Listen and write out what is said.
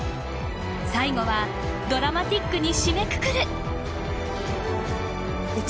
最後はドラマチックに締めくくる。